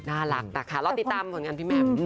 น่ารักนะคะรอติดตามผลงานพี่แหม่ม